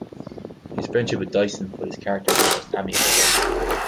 His friendship with Dyson puts his character in the most amiable light.